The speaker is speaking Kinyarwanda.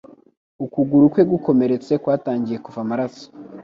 Ukuguru kwe gukomeretse kwatangiye kuva amaraso.